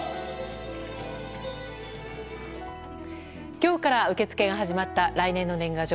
今日から受け付けが始まった来年の年賀状。